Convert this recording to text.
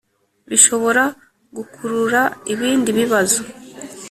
bishobora gukurura ibindi bibazo